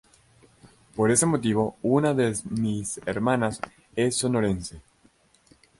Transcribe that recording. Por ese motivo, una de mis hermanas es sonorense.